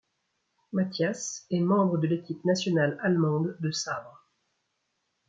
Mathyas est membre de l'équipe nationale allemande de sabre.